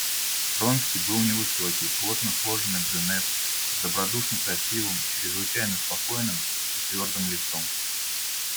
Вронский был невысокий, плотно сложенный брюнет, с добродушно-красивым, чрезвычайно спокойным и твердым лицом.